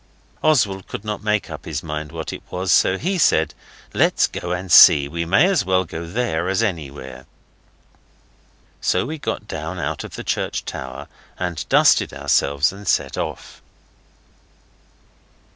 Oswald could not make his mind up what it was, so he said, 'Let's go and see! We may as well go there as anywhere.' So we got down out of the church tower and dusted ourselves, and set out.